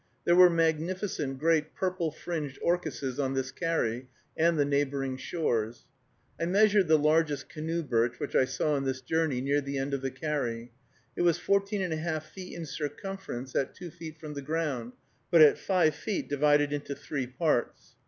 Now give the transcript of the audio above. There were magnificent great purple fringed orchises on this carry and the neighboring shores. I measured the largest canoe birch which I saw in this journey near the end of the carry. It was 14½ feet in circumference at two feet from the ground, but at five feet divided into three parts.